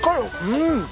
うん。